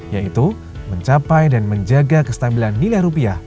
yaitu mencapai dan menjaga kestabilan nilai rupiah